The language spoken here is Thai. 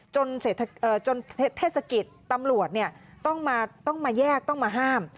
จนเทศกิจตำรวจต้องมาแยกต้องมาห้าม